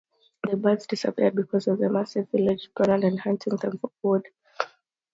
The birds disappeared because of the massive village buildout and hunting them for food.